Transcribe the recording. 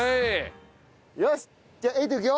よしじゃあ瑛都いくよ！